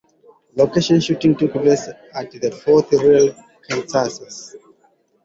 Location shooting took place at Fort Riley in Kansas.